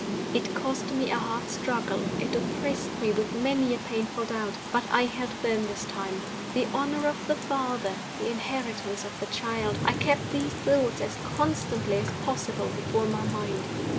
It cost me a hard struggle, it oppressed me with many a painful doubt; but I held firm this time. The honor of the father, the inheritance of the child I kept these thoughts as constant ly as possible before my mind.